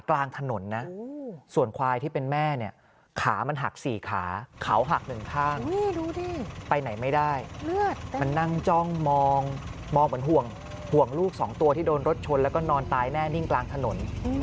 แล้วลูกสองตัวตายตายแม่นิ่งกลางถนน